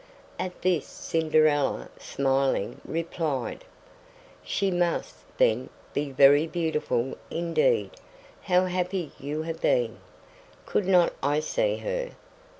At this Cinderella, smiling, replied: "She must, then, be very beautiful indeed; how happy you have been! Could not I see her?